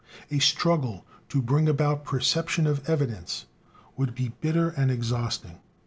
A struggle "to bring about perception of evidence" would be bitter and exhausting.